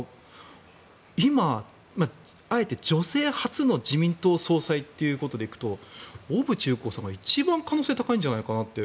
今、あえて女性初の自民党総裁ということで行くと小渕優子さんが一番可能性が高いんじゃないかなって